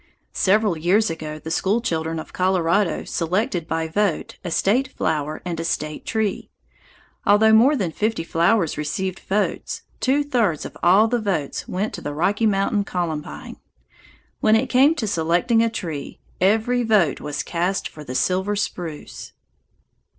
Several years ago the school children of Colorado selected by vote a State flower and a State tree. Although more than fifty flowers received votes, two thirds of all the votes went to the Rocky Mountain columbine. When it came to selecting a tree, every vote was cast for the silver spruce.